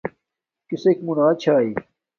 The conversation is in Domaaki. کسک مونا چھاݵ